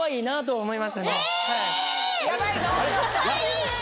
はい！